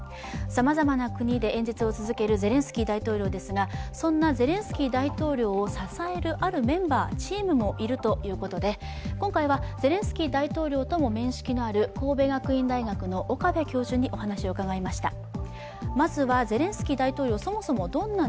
さまざまな国で演説を続けるゼレンスキー大統領ですが、そんなゼレンスキー大統領を支える、あるメンバーチームもいるということで今回はゼレンスキー大統領とも面識のある神戸学院大学の岡部教授にお話を伺いました。